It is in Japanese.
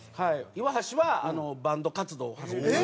岩橋はバンド活動を始めまして。